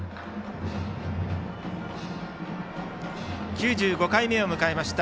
９５回目を迎えました